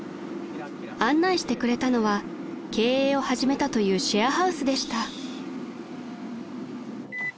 ［案内してくれたのは経営を始めたというシェアハウスでした］